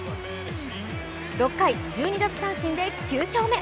６回、１２奪三振で９勝目。